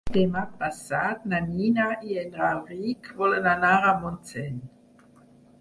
Demà passat na Nina i en Rauric volen anar a Montseny.